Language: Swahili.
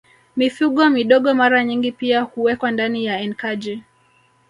Mifugo midogo mara nyingi pia huwekwa ndani ya enkaji